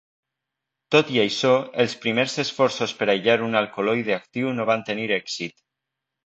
Tot i això, els primers esforços per aïllar un alcaloide actiu no van tenir èxit.